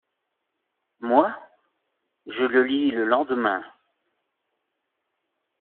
Moi ?… je le lis le lendemain…